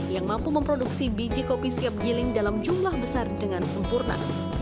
yang mampu memproduksi biji kopi siap giling dalam jumlah besar dengan sempurna